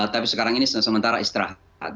tapi sekarang ini sementara istirahat